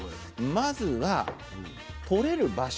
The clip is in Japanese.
まずはとれる場所